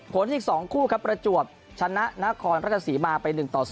อีก๒คู่ครับประจวบชนะนครราชสีมาไป๑ต่อ๐